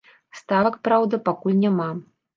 Ставак, праўда, пакуль няма.